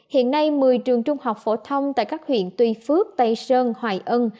hiện nay một mươi trường trung học phổ thông tại các huyện tuy phước tây sơn hoài ân